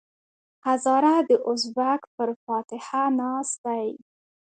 هزاره د ازبک پر فاتحه ناست دی.